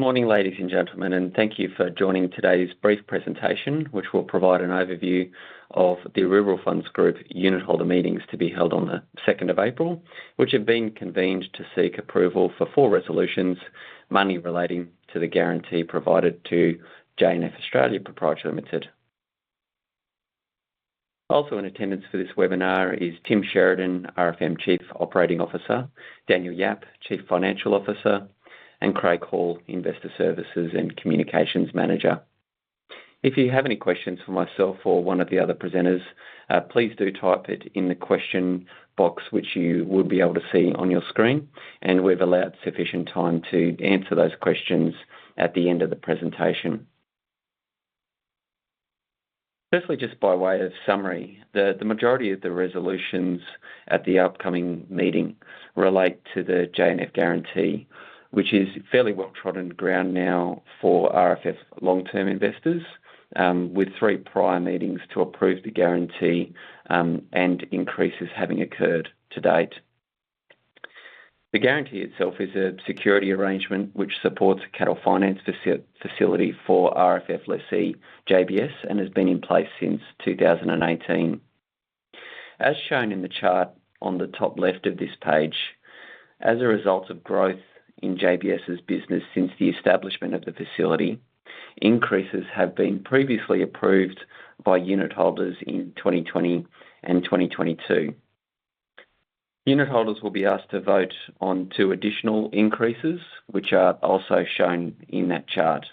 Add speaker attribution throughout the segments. Speaker 1: Good morning, ladies and gentlemen, and thank you for joining today's brief presentation, which will provide an overview of the Rural Funds Group unit holder meetings to be held on the April 2nd, which have been convened to seek approval for four resolutions mainly relating to the guarantee provided to J&F Australia Pty Ltd. Also in attendance for this webinar is Tim Sheridan, RFM Chief Operating Officer, Daniel Yap, Chief Financial Officer, and Craig Hall, Investor Services and Communications Manager. If you have any questions for myself or one of the other presenters, please do type it in the question box, which you will be able to see on your screen, and we've allowed sufficient time to answer those questions at the end of the presentation. Firstly, just by way of summary, the majority of the resolutions at the upcoming meeting relate to the J&F guarantee, which is fairly well trodden ground now for RFF long-term investors, with three prior meetings to approve the guarantee, and increases having occurred to date. The guarantee itself is a security arrangement which supports a cattle finance facility for RFF lessee JBS and has been in place since 2018. As shown in the chart on the top left of this page, as a result of growth in JBS's business since the establishment of the facility, increases have been previously approved by unit holders in 2020 and 2022. Unit holders will be asked to vote on two additional increases, which are also shown in that chart,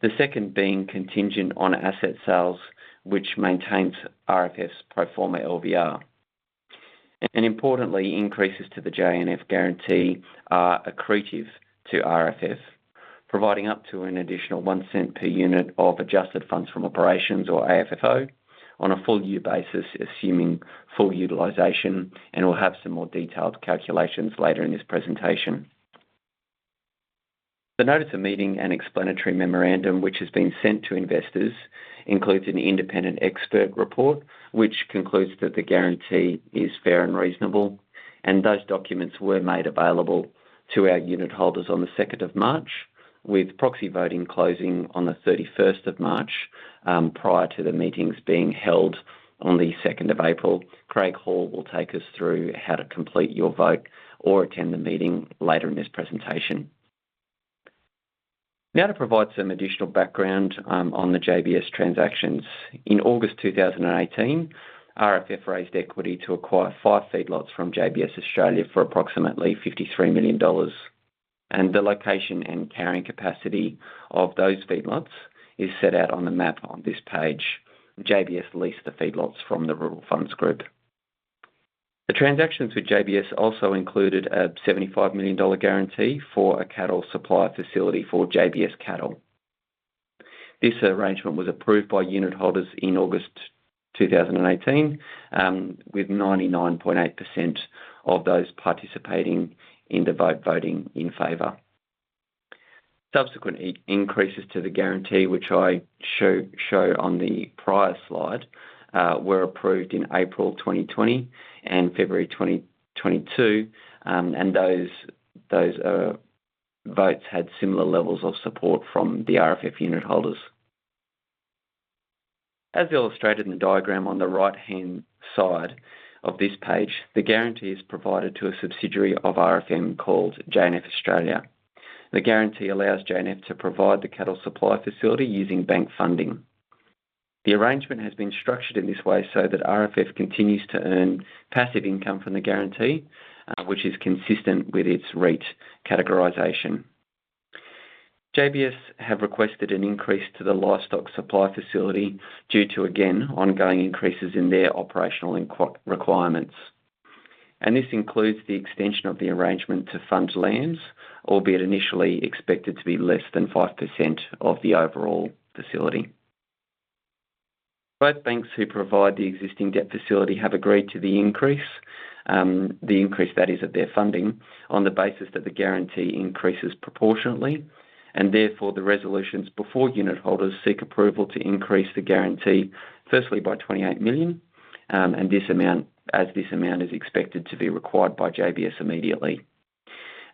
Speaker 1: the second being contingent on asset sales, which maintains RFF's pro forma LVR. Importantly, increases to the J&F guarantee are accretive to RFF, providing up to an additional 0.01 per unit of adjusted funds from operations or AFFO on a full year basis, assuming full utilization, and we'll have some more detailed calculations later in this presentation. The notice of meeting and explanatory memorandum, which has been sent to investors, includes an independent expert report, which concludes that the guarantee is fair and reasonable, and those documents were made available to our unit holders on the March 2nd, with proxy voting closing on the March 31st, prior to the meetings being held on the April 2nd. Craig Hall will take us through how to complete your vote or attend the meeting later in this presentation. Now to provide some additional background, on the JBS transactions. In August 2018, RFF raised equity to acquire five feedlots from JBS Australia for approximately 53 million dollars. The location and carrying capacity of those feedlots is set out on the map on this page. JBS leased the feedlots from the Rural Funds Group. The transactions with JBS also included a 75 million dollar guarantee for a cattle supply facility for JBS cattle. This arrangement was approved by unit holders in August 2018 with 99.8% of those participating in the vote voting in favor. Subsequent increases to the guarantee, which I show on the prior slide, were approved in April 2020 and February 2022, and those votes had similar levels of support from the RFF unit holders. As illustrated in the diagram on the right-hand side of this page, the guarantee is provided to a subsidiary of RFM called J&F Australia. The guarantee allows J&F to provide the cattle supply facility using bank funding. The arrangement has been structured in this way so that RFF continues to earn passive income from the guarantee, which is consistent with its REIT categorization. JBS have requested an increase to the livestock supply facility due to, again, ongoing increases in their operational and core requirements. This includes the extension of the arrangement to feedlots, albeit initially expected to be less than 5% of the overall facility. Both banks who provide the existing debt facility have agreed to the increase, the increase that is of their funding, on the basis that the guarantee increases proportionately, and therefore the resolutions before unit holders seek approval to increase the guarantee, firstly by 28 million, and this amount is expected to be required by JBS immediately.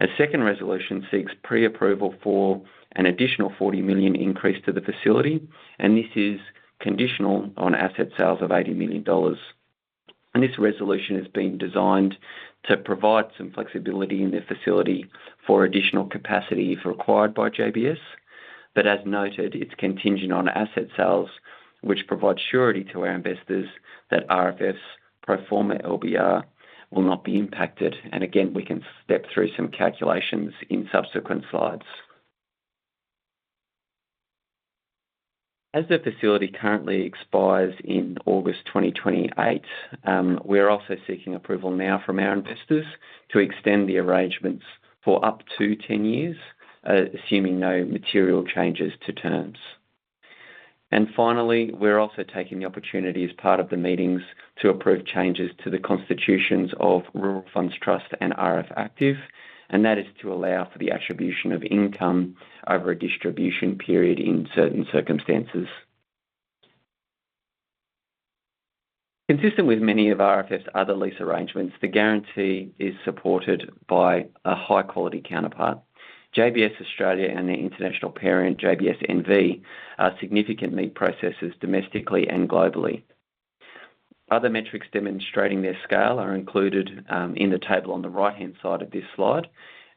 Speaker 1: A second resolution seeks pre-approval for an additional 40 million increase to the facility, and this is conditional on asset sales of 80 million dollars. This resolution has been designed to provide some flexibility in the facility for additional capacity if required by JBS. As noted, it's contingent on asset sales, which provide surety to our investors that RFF's pro forma LVR will not be impacted. Again, we can step through some calculations in subsequent slides. As the facility currently expires in August 2028, we're also seeking approval now from our investors to extend the arrangements for up to 10 years, assuming no material changes to terms. Finally, we're also taking the opportunity as part of the meetings to approve changes to the constitutions of Rural Funds Trust and RF Active, and that is to allow for the attribution of income over a distribution period in certain circumstances. Consistent with many of RFF's other lease arrangements, the guarantee is supported by a high-quality counterpart. JBS Australia and their international parent, JBS S.A., are significant meat processors domestically and globally. Other metrics demonstrating their scale are included in the table on the right-hand side of this slide,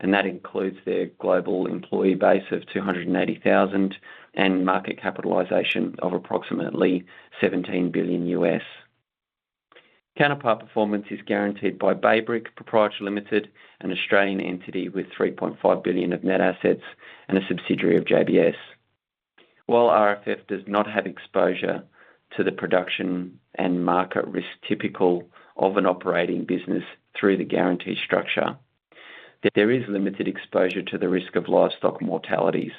Speaker 1: and that includes their global employee base of 280,000 and market capitalization of approximately $17 billion. Counterpart performance is guaranteed by Baybrick Pty Ltd, an Australian entity with 3.5 billion of net assets and a subsidiary of JBS. While RFF does not have exposure to the production and market risk typical of an operating business through the guarantee structure, there is limited exposure to the risk of livestock mortalities.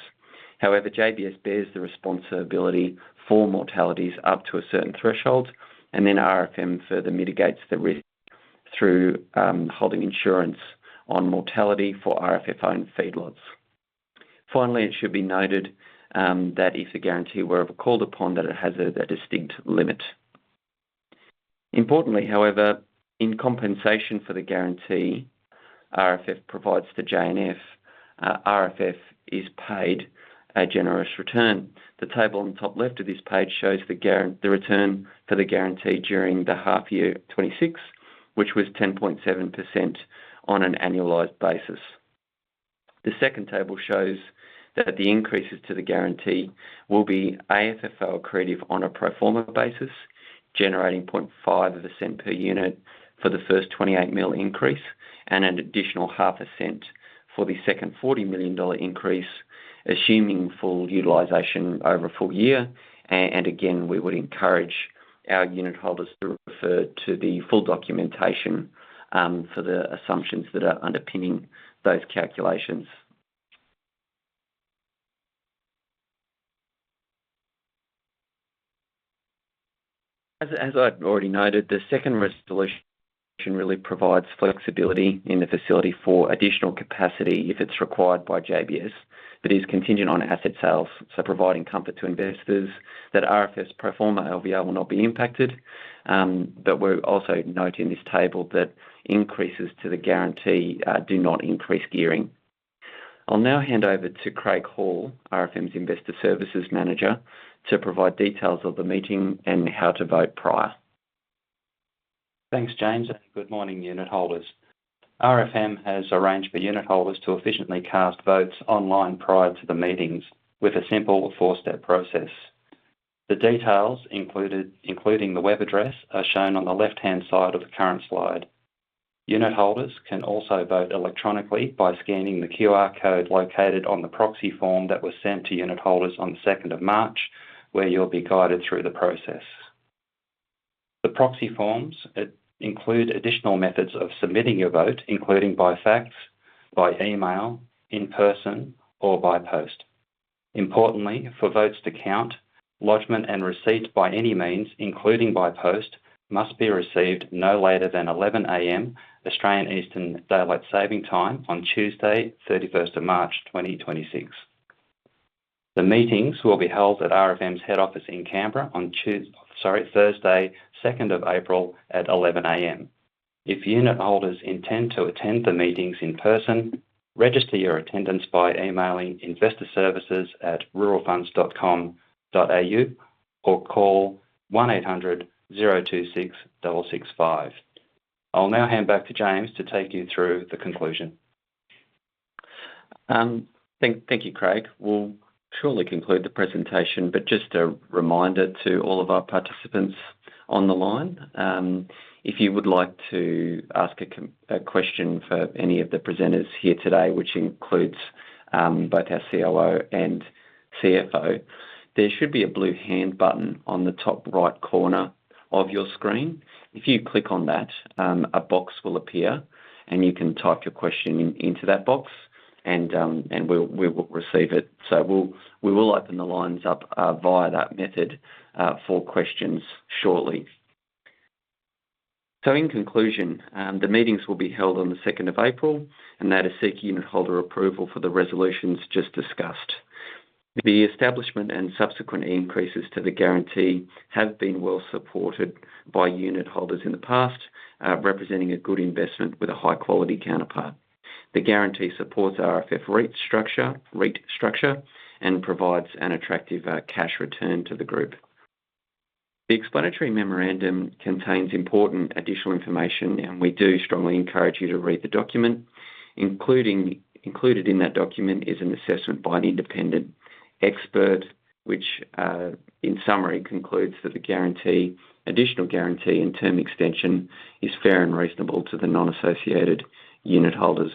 Speaker 1: However, JBS bears the responsibility for mortalities up to a certain threshold, and then RFM further mitigates the risk through holding insurance on mortality for RFF-owned feedlots. Finally, it should be noted that if a guarantee were ever called upon, that it has a distinct limit. Importantly, however, in compensation for the guarantee RFF provides to J&F, RFF is paid a generous return. The table on the top left of this page shows the return for the guarantee during the 1H26, which was 10.7% on an annualized basis. The second table shows that the increases to the guarantee will be AFFO accretive on a pro forma basis, generating 0.005 per unit for the first 28 million increase and an additional AUD 0.005 for the second 40 million dollar increase, assuming full utilization over a full year. Again, we would encourage our unitholders to refer to the full documentation for the assumptions that are underpinning those calculations. I'd already noted, the second resolution really provides flexibility in the facility for additional capacity if it's required by JBS, but is contingent on asset sales, so providing comfort to investors that RFF's pro forma LVR will not be impacted. We'll also note in this table that increases to the guarantee do not increase gearing. I'll now hand over to Craig Hall, RFM's Investor Services Manager, to provide details of the meeting and how to vote prior.
Speaker 2: Thanks, James, and good morning, unitholders. RFM has arranged for unitholders to efficiently cast votes online prior to the meetings with a simple four-step process. The details included, including the web address, are shown on the left-hand side of the current slide. Unitholders can also vote electronically by scanning the QR code located on the proxy form that was sent to unitholders on the March 2nd, where you'll be guided through the process. The proxy forms include additional methods of submitting your vote, including by fax, by email, in person, or by post. Importantly, for votes to count, lodgement and receipt by any means, including by post, must be received no later than 11:00 A.M. Australian Eastern Daylight Time on Tuesday, March 31st, 2026. The meetings will be held at RFM's head office in Canberra on Thursday, April 2nd, at 11:00 A.M. If unitholders intend to attend the meetings in person, register your attendance by emailing investorservices@ruralfunds.com.au or call 1800 026 665. I'll now hand back to James to take you through the conclusion.
Speaker 1: Thank you, Craig. We'll shortly conclude the presentation, but just a reminder to all of our participants on the line, if you would like to ask a question for any of the presenters here today, which includes both our COO and CFO, there should be a blue hand button on the top right corner of your screen. If you click on that, a box will appear, and you can type your question into that box and we'll receive it. We'll open the lines up via that method for questions shortly. In conclusion, the meetings will be held on the April 2nd, and they are to seek unitholder approval for the resolutions just discussed. The establishment and subsequent increases to the guarantee have been well supported by unitholders in the past, representing a good investment with a high-quality counterparty. The guarantee supports RFF REIT's structure, REIT structure, and provides an attractive, cash return to the group. The explanatory memorandum contains important additional information, and we do strongly encourage you to read the document. Included in that document is an assessment by an independent expert, which, in summary, concludes that the guarantee, additional guarantee and term extension is fair and reasonable to the non-associated unitholders.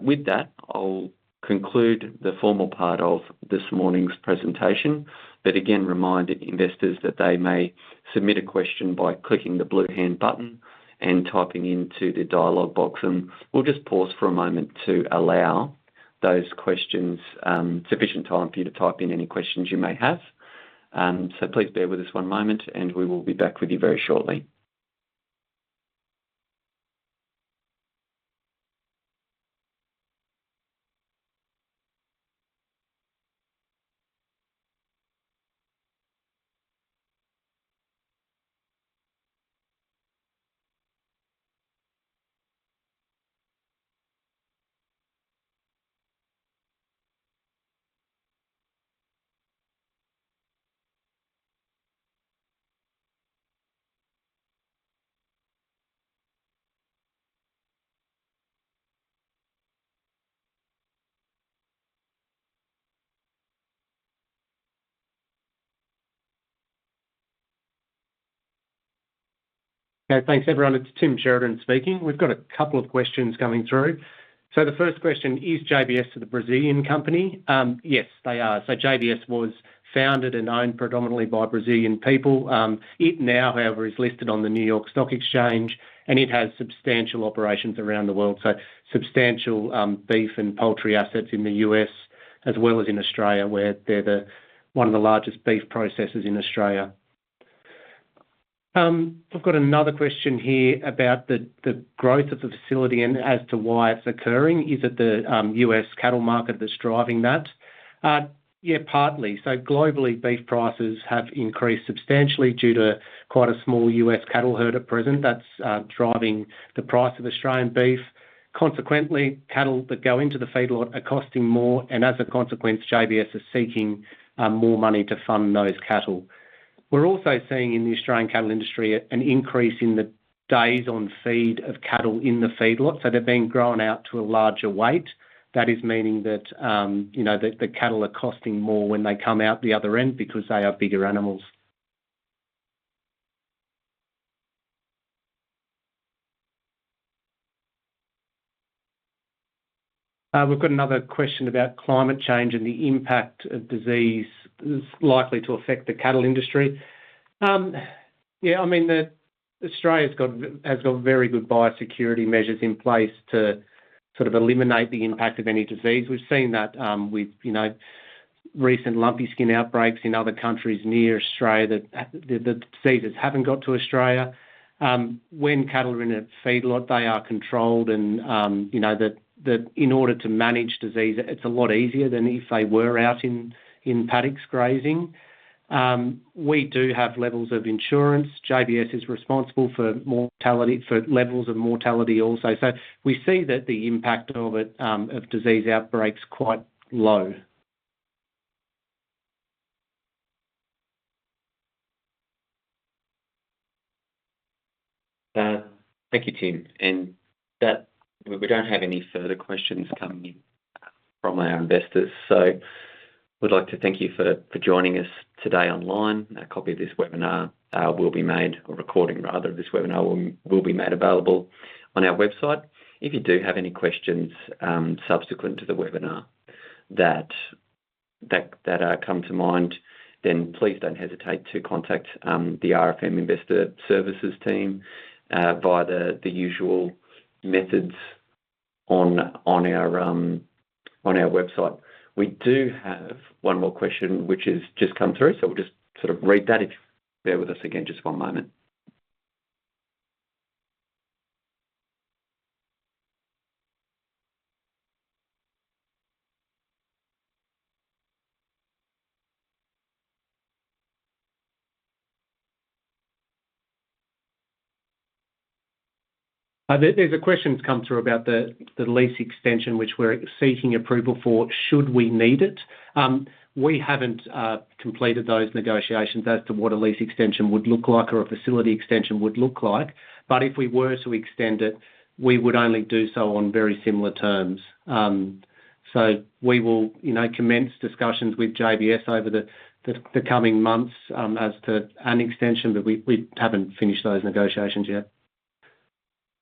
Speaker 1: With that, I'll conclude the formal part of this morning's presentation, but again remind investors that they may submit a question by clicking the blue hand button and typing into the dialog box. We'll just pause for a moment to allow those questions sufficient time for you to type in any questions you may have. Please bear with us one moment, and we will be back with you very shortly.
Speaker 3: Okay, thanks everyone. It's Tim Sheridan speaking. We've got a couple of questions coming through. The first question: Is JBS a Brazilian company? Yes, they are. JBS was founded and owned predominantly by Brazilian people. It now, however, is listed on the New York Stock Exchange, and it has substantial operations around the world. Substantial beef and poultry assets in the U.S. as well as in Australia, where they're one of the largest beef processors in Australia. I've got another question here about the growth of the facility and as to why it's occurring. Is it the U.S. cattle market that's driving that? Yeah, partly. Globally, beef prices have increased substantially due to quite a small U.S. cattle herd at present that's driving the price of Australian beef. Consequently, cattle that go into the feedlot are costing more, and as a consequence, JBS is seeking more money to fund those cattle. We're also seeing in the Australian cattle industry an increase in the days on feed of cattle in the feedlot, so they're being grown out to a larger weight. That is meaning that, you know, the cattle are costing more when they come out the other end because they are bigger animals. We've got another question about climate change and the impact of disease that's likely to affect the cattle industry. Australia's got very good biosecurity measures in place to sort of eliminate the impact of any disease. We've seen that, with, you know, recent Lumpy Skin outbreaks in other countries near Australia that the diseases haven't got to Australia. When cattle are in a feedlot, they are controlled and, you know, in order to manage disease, it's a lot easier than if they were out in paddocks grazing. We do have levels of insurance. JBS is responsible for mortality, for levels of mortality also. We see that the impact of it, of disease outbreaks, is quite low.
Speaker 1: Thank you, Tim. We don't have any further questions coming in from our investors, so I would like to thank you for joining us today online. A copy of this webinar will be made, or a recording rather, of this webinar will be made available on our website. If you do have any questions subsequent to the webinar that come to mind, then please don't hesitate to contact the RFM Investor Services team via the usual methods on our website. We do have one more question, which has just come through, so we'll just sort of read that. If you bear with us again just one moment.
Speaker 3: There's a question that's come through about the lease extension which we're seeking approval for, should we need it. We haven't completed those negotiations as to what a lease extension would look like or a facility extension would look like. If we were to extend it, we would only do so on very similar terms. We will, you know, commence discussions with JBS over the coming months as to an extension, but we haven't finished those negotiations yet.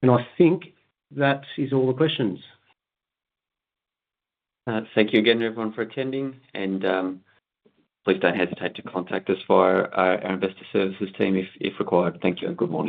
Speaker 3: I think that is all the questions.
Speaker 1: Thank you again, everyone, for attending, and please don't hesitate to contact us via our Investor Services team if required. Thank you, and good morning.